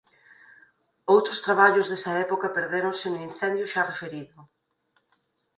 Outros traballos desa época perdéronse no incendio xa referido.